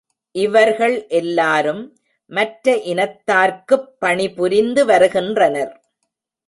இவர்கள் எல்லாரும் மற்ற இனத்தார்க்குப் பணிபுரிந்து வருகின்றனர்.